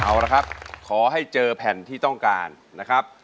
เอาละครับขอให้เจอแผ่นที่ต้องการนะครับ